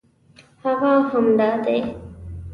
هغه همدا دی.